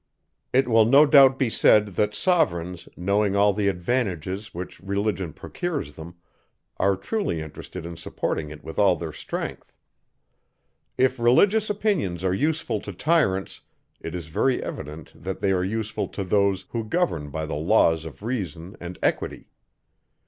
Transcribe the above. It will no doubt be said, that sovereigns, knowing all the advantages which religion procures them, are truly interested in supporting it with all their strength. If religious opinions are useful to tyrants, it is very evident, that they are useful to those, who govern by the laws of reason and equity.